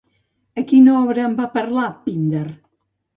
A quina obra en va parlar Píndar?